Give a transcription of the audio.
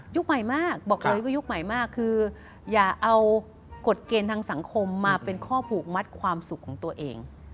ใหม่มากบอกเลยว่ายุคใหม่มากคืออย่าเอากฎเกณฑ์ทางสังคมมาเป็นข้อผูกมัดความสุขของตัวเอง